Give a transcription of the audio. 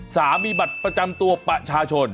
สามีบัตรประจำตัวประชาชน